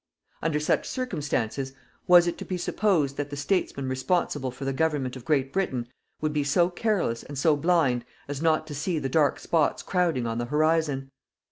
Under such circumstances, was it to be supposed that the Statesmen responsible for the government of Great Britain would be so careless and so blind as not to see the dark spots crowding on the horizon!